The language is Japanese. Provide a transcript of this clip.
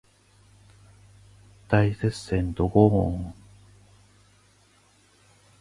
大接戦ドゴーーン